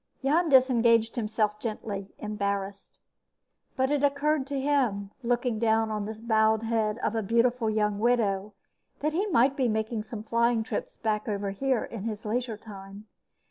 Jan disengaged himself gently, embarrassed. But it occurred to him, looking down on the bowed head of the beautiful young widow, that he might make some flying trips back over here in his leisure time.